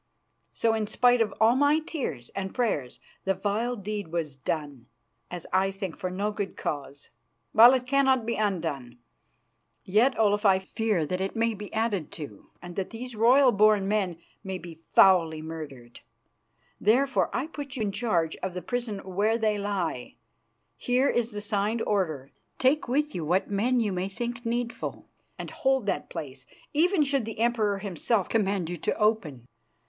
So, in spite of all my tears and prayers, the vile deed was done, as I think for no good cause. Well, it cannot be undone. Yet, Olaf, I fear that it may be added to, and that these royal born men may be foully murdered. Therefore, I put you in charge of the prison where they lie. Here is the signed order. Take with you what men you may think needful, and hold that place, even should the Emperor himself command you to open.